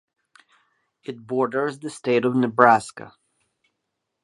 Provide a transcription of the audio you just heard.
It borders the state of Nebraska.